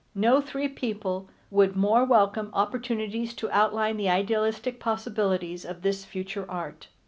No three people would more welcome opportunities to outline the idealistic possibilities of this future art.